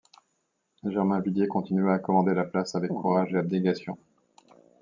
Germainvilliers continua à commander la place avec courage et abnégation.